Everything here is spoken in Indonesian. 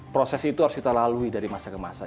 proses itu harus kita lalui dari masa ke masa